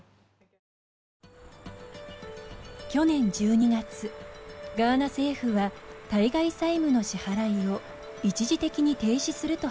去年１２月ガーナ政府は対外債務の支払いを一時的に停止すると発表しました。